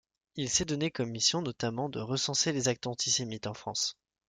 Il s'est donné comme mission notamment de recenser les actes antisémites en France.